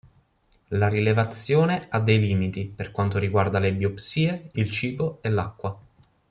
La rilevazione ha dei limiti per quanto riguarda le biopsie, il cibo e l'acqua.